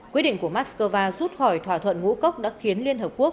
quyết định của moscow rút khỏi thỏa thuận ngũ cốc đã khiến liên hợp quốc